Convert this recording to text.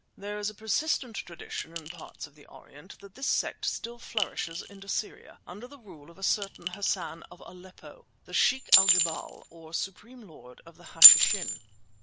There is a persistent tradition in parts of the Orient that this sect still flourishes in Assyria, under the rule of a certain Hassan of Aleppo, the Sheikh al jebal, or supreme lord of the Hashishin.